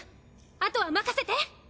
あとは任せて！